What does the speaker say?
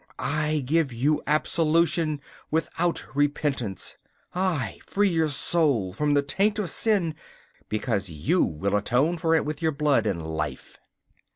I give you absolution without repentance. I free your soul from the taint of sin because you will atone for it with your blood and life.